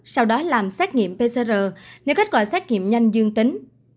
sau đó làm xét nghiệm pcr nếu kết quả xét nghiệm nhanh dương tính